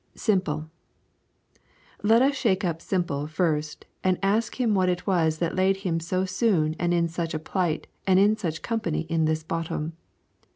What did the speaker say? SIMPLE Let us shake up Simple first and ask him what it was that laid him so soon and in such a plight and in such company in this bottom.